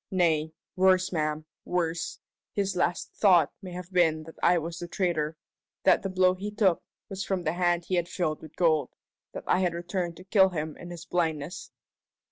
Nay worse, ma'am, worse his last thought may have been that I was the traitor that the blow he took was from the hand he had filled with gold that I had returned to kill him in his blindness!"